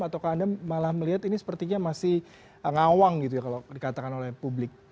atau anda malah melihat ini sepertinya masih ngawang gitu ya kalau dikatakan oleh publik